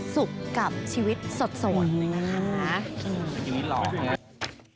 สุขกับชีวิตสดส่วนนะคะ